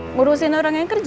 ngurusin orang yang kerja